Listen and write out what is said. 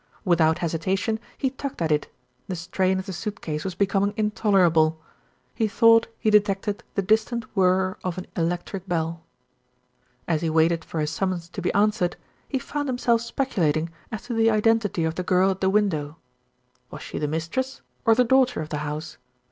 Without hesitation, he tugged at it, the strain of the suit case was becoming intolerable. He thought he detected the distant whirr of an electric bell. As he waited for his summons to be answered, he found himself speculating as to the identity of the girl at the window. Was she the mistress, or the daughter of the house?